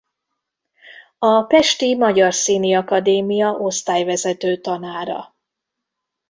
A Pesti Magyar Színiakadémia osztályvezető tanára.